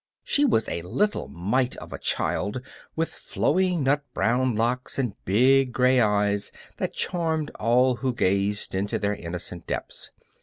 She was a little mite of a child, with flowing nut brown locks and big gray eyes that charmed all who gazed into their innocent depths.